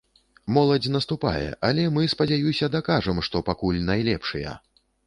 Моладзь наступае, але мы, спадзяюся, дакажам, што пакуль найлепшыя!